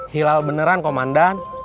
hilal beneran komandan